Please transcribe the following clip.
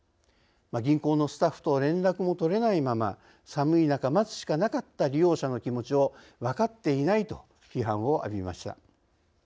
銀行のスタッフと連絡も取れないまま寒い中待つしかなかった利用者の気持ちを分かっていないと批判を浴びました。